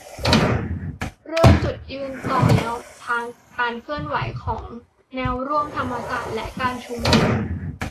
เรื่อง จุดยืนต่อแนวทางการเคลื่อนไหวของแนวร่วมธรรมศาสตร์และการชุมนุม